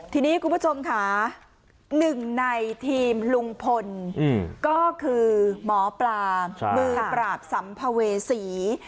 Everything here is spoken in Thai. ทีนี้คุณผู้ชมค่ะหนึ่งในทีมลุงพลก็คือหมอปลามือปราบสัมภเวษี